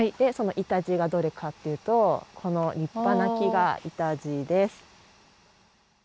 そのイタジイがどれかっていうとこの立派な木がイタジイです。